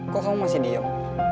kok kamu masih diem